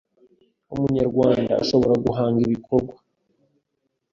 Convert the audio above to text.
Umunyarwanda ushobora guhanga ibikorwa